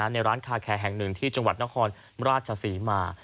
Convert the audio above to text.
ในร้านคาแคร์แห่งหนึ่งที่จังหวัดนครราชศรีมา